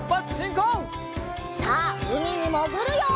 さあうみにもぐるよ！